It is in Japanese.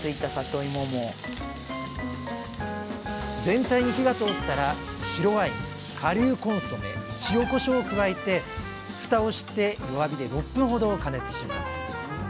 全体に火が通ったら白ワイン顆粒コンソメ塩こしょうを加えてふたをして弱火で６分ほど加熱します